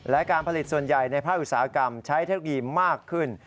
และการผลิตส่วนใหญ่ในภาคอุตสาหกรรมใช้เทคโนโลยีมากขึ้น